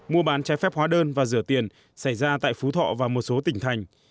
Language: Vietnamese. mua bán trái phép hóa đơn và rửa tiền xảy ra tại phú thọ và một số tỉnh thành